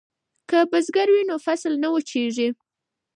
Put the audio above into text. که بزګر وي نو فصل نه وچېږي.